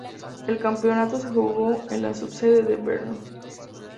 El campeonato se jugó en la subsede de Brno.